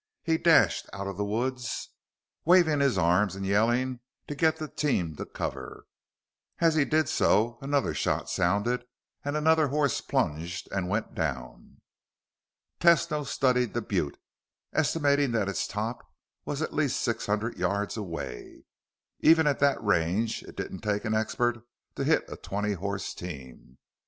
He dashed out of the woods, waving his arms and yelling to get the team to cover. As he did so, another shot sounded, and another horse plunged and went down. Tesno studied the butte, estimating that its top was at least six hundred yards away. Even at that range, it didn't take an expert to hit a twenty horse team.